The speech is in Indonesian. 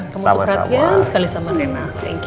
kamu terhatian sekali sama rena